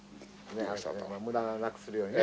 はい無駄をなくするようにね。